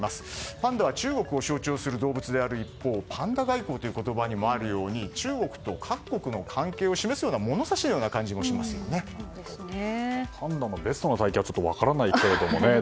パンダは中国を象徴する動物である一方パンダ外交という言葉にもあるように中国と各国の関係を示すパンダのベストの体形は分からないですけどね。